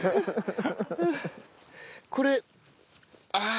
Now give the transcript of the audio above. これああ。